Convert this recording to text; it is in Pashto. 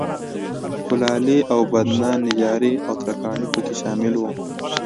کولالي، اوبدنه، نجاري او ترکاڼي په کې شامل وو